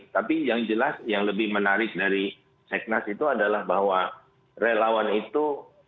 tapi yang jelas yang lebih menarik dari seknas itu adalah bahwa relawan itu